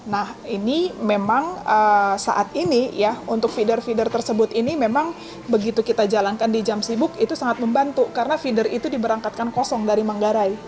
nah ini memang saat ini ya untuk feeder feeder tersebut ini memang begitu kita jalankan di jam sibuk itu sangat membantu karena feeder itu diberangkatkan kosong dari manggarai